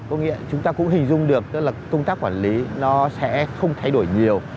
có nghĩa chúng ta cũng hình dung được công tác quản lý nó sẽ không thay đổi nhiều